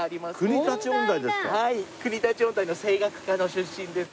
国立音大の声楽科の出身です。